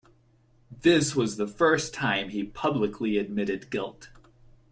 This was the first time he publicly admitted guilt.